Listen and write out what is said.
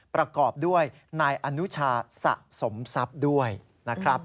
ประกอบด้วยนายอนุชาสะสมทรัพย์ด้วยนะครับ